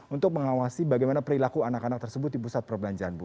untuk mengawasi bagaimana perilaku anak anak tersebut di pusat perbelanjaan bu